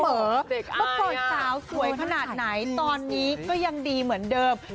เมื่อปล่อยสาวสวยขนาดไหนตอนนี้ก็ยังดีเหมือนเดิม